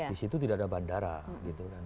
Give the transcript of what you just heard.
di situ tidak ada bandara gitu kan